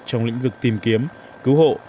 trong lĩnh vực tìm kiếm cứu hộ